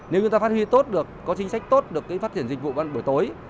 nếu chúng ta phát huy tốt được có chính sách tốt được phát triển dịch vụ buổi tối